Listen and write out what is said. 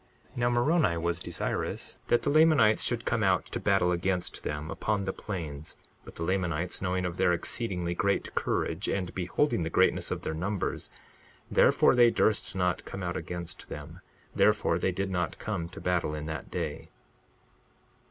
62:19 Now Moroni was desirous that the Lamanites should come out to battle against them, upon the plains; but the Lamanites, knowing of their exceedingly great courage, and beholding the greatness of their numbers, therefore they durst not come out against them; therefore they did not come to battle in that day.